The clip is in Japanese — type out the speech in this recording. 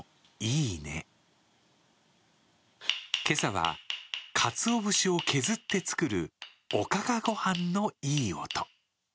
今朝は、かつお節を削って作るおかかごはんのいい音。